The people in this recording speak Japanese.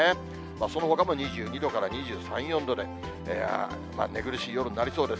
そのほかも２２度から２３、４度で、寝苦しい夜になりそうです。